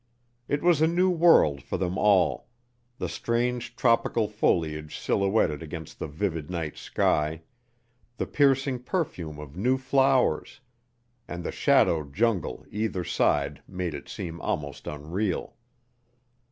It was a new world for them all; the strange tropical foliage silhouetted against the vivid night sky, the piercing perfume of new flowers, and the shadow jungle either side made it seem almost unreal.